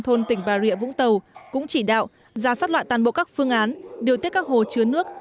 thôn tỉnh bà rịa vũng tàu cũng chỉ đạo giả sát lại toàn bộ các phương án điều tiết các hồ chứa nước